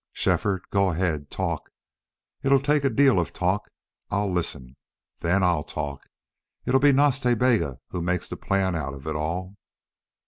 "Shefford, go ahead. Talk. It'll take a deal of talk. I'll listen. Then I'll talk. It'll be Nas Ta Bega who makes the plan out of it all."